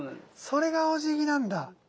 それがおじぎなんだ。